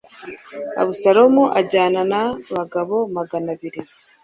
abusalomu ajyana n abagabo magana abiri